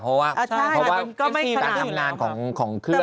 เพราะว่าเอฟซีตามนานของเครื่อง